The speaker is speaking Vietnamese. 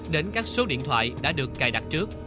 đến các số điện thoại đã được cài đặt trước